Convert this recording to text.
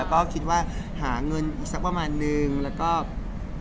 ก็คิดว่าหาเงินอีกสักประมาณนึงแล้วก็